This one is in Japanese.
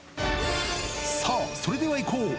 さあ、それではいこう。